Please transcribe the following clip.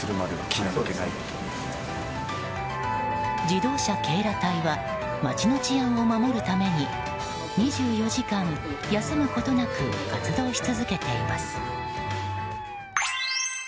自動車警ら隊は街の治安を守るために２４時間休むことなく活動し続けています。